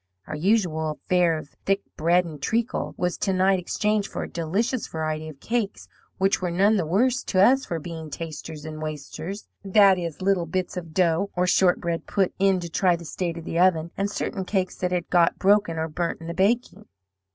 Our usual fare of thick bread and treacle was to night exchanged for a delicious variety of cakes, which were none the worse to us for being 'tasters and wasters' that is, little bits of dough, or shortbread, put in to try the state of the oven, and certain cakes that had got broken or burnt in the baking.